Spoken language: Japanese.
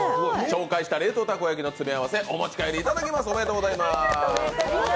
紹介した冷凍たこ焼きの詰め合わせお持ち帰りいただきます。